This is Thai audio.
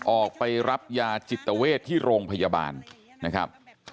ออกไปรับยาจิตเวทที่โรงพยาบาลนะครับ